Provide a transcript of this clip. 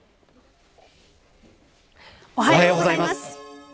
おはようございます。